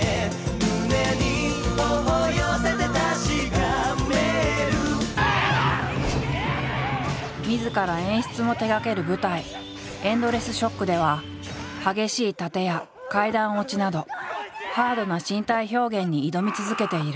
「胸に頬寄せて確かめる」みずから演出も手がける舞台「ＥｎｄｌｅｓｓＳＨＯＣＫ」では激しい殺陣や階段落ちなどハードな身体表現に挑み続けている。